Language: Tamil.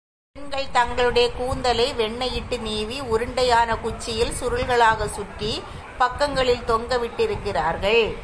பெண்கள் தங்களுடைய கூந்தலை வெண்ணெயிட்டு நீவி, உருண்டையான குச்சியில் சுருள்களாகச் சுற்றிப் பக்கங்களில் தொங்க விட்டிருக்கிறார்கள்.